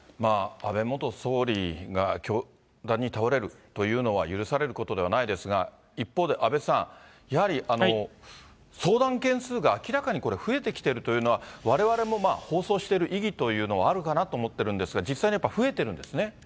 安倍元総理が凶弾に倒れるというのは、許されることではないですが、一方で、阿部さん、やはり相談件数が明らかにこれ、増えてきているというのは、われわれも放送している意義というのはあるかなと思ってるんですが、実際に、やっぱり増えてるんですね。